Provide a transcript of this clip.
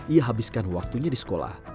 ia habiskan waktunya di sekolah